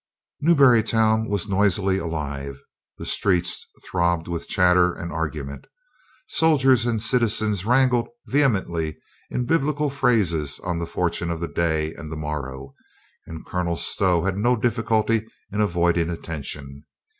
Newbury town was noisily alive. The streets throbbed with chatter and argument. Soldier and citizen wrangled vehemently in biblical phrase on the fortune of the day and the morrow, and Colonel Stow had no difficulty in avoiding attention.